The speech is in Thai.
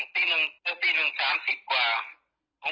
ผมนึกว่าพ่อแม่เขาจะตามเขาไปด้วย